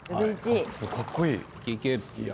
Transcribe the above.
かっこいい。